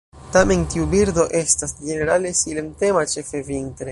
Tamen tiu birdo estas ĝenerale silentema ĉefe vintre.